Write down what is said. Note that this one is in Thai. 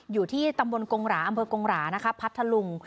อยู่ที่ตำบลกงหราอำเภอกงหรานะคะพัทธลุง